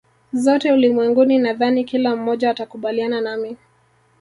zote ulimwenguni Nadhani kila mmoja atakubaliana nami